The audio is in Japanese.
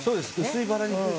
薄いバラ肉。